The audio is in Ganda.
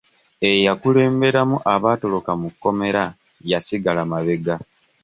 Eyakulemberamu abaatoloka mu kkomera yasigala mabega.